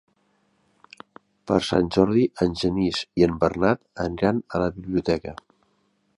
Per Sant Jordi en Genís i en Bernat aniran a la biblioteca.